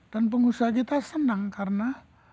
dan pengusaha kita senang karena